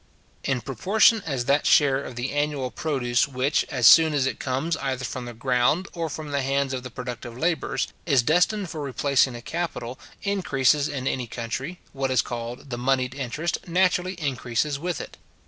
In proportion as that share of the annual produce which, as soon as it comes either from the ground, or from the hands of the productive labourers, is destined for replacing a capital, increases in any country, what is called the monied interest naturally increases with it.